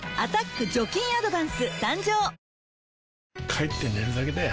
帰って寝るだけだよ